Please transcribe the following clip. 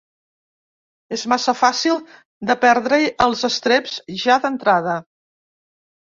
És massa fàcil de perdre-hi els estreps ja d'entrada.